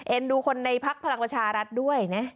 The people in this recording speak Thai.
เอนดูคนในพรรคพลังประชารัฐด้วย